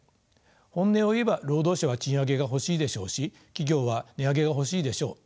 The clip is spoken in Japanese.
本音を言えば労働者は賃上げが欲しいでしょうし企業は値上げが欲しいでしょう。